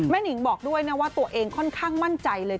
หนิงบอกด้วยนะว่าตัวเองค่อนข้างมั่นใจเลย